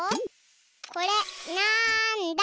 これなんだ？